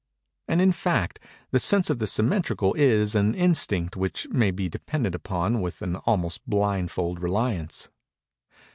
And, in fact, the sense of the symmetrical is an instinct which may be depended upon with an almost blindfold reliance.